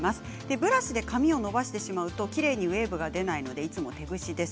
ブラシで髪を伸ばしてしまうときれいに見えるが出ないのでいつも手ぐしです。